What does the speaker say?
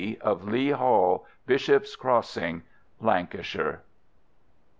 of Leigh Hall, Bishop's Crossing, Lancashire.